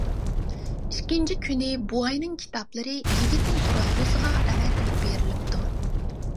ئىككىنچى كۈنى بوۋاينىڭ كىتابلىرى يىگىتنىڭ تۇرالغۇسىغا ئەۋەتىلىپ بېرىلىپتۇ.